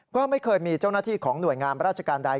ก็ไม่เคยมีเจ้าหน้าที่ของหน่วยงามราชการใด